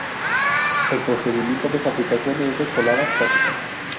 El procedimiento de fabricación es de colada estática.